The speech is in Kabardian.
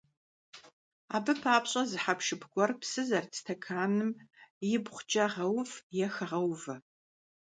Абы папщӀэ зы хьэпшып гуэр псы зэрыт стэканым ибгъукӀэ гъэув е хэгъэувэ.